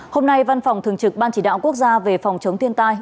hôm nay văn phòng thường trực ban chỉ đạo quốc gia về phòng chống thiên tai